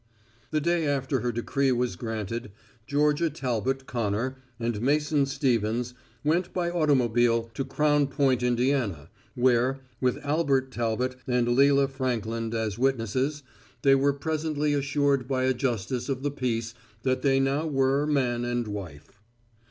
The day after her decree was granted Georgia Talbot Connor and Mason Stevens went by automobile to Crown Point, Indiana, where, with Albert Talbot and Leila Frankland as witnesses, they were presently assured by a justice of the peace that they now were man and wife.